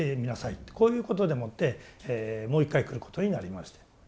こういうことでもってもう一回来ることになりまして。